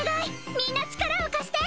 みんな力を貸して！